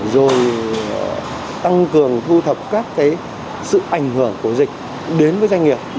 rồi tăng cường thu thập các sự ảnh hưởng của dịch đến với doanh nghiệp